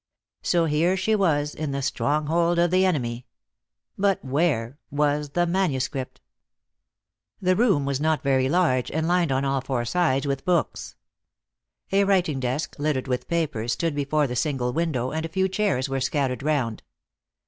So here she was in the stronghold of the enemy. But where was the manuscript? The room was not very large, and lined on all four sides with books. A writing desk, littered with papers, stood before the single window, and a few chairs were scattered round.